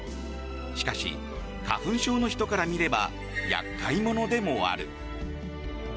しかし、花粉症の人から見れば厄介者でもある。